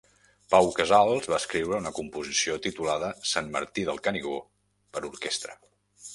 Pablo Casals va escriure una composició titulada "Sant Martí Del Canigó" per orquestra.